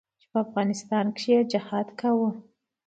چې په افغانستان کښې يې جهاد کاوه.